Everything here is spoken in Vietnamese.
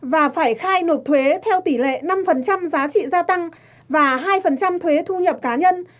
và phải khai nộp thuế theo tỷ lệ năm giá trị gia tăng và hai thuế thu nhập cá nhân